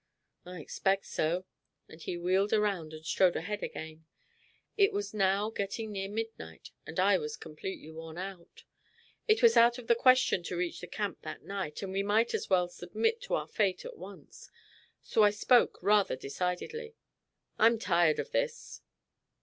"I expect so," and he wheeled around and strode ahead again. It was now getting near midnight, and I was completely worn out. It was out of the question to reach the camp that night, and we might as well submit to our fate at once, so I spoke rather decidedly. "I'm tired of this."